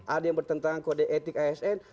ada yang bertentangan kode etik asn